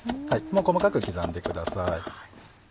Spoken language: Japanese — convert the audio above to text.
細かく刻んでください。